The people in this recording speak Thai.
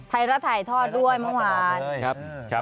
ไทยรัฐถ่ายทอดด้วยเมื่อวาน